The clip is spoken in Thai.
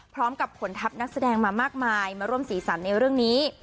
พร้อมกับขนทัพนักแสดงมามากมายมาร่วมสีสันในเรื่องนี้